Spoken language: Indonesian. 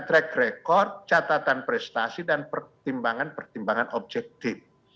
track record catatan prestasi dan pertimbangan pertimbangan objektif